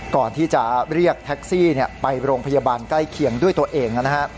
ก่อนที่จะเรียกแท็กซี่ไปโรงพยาบาลใกล้เคียงด้วยตัวเองนะฮะ